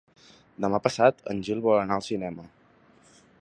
Demà passat en Gil vol anar al cinema.